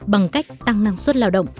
bằng cách tăng năng suất lao động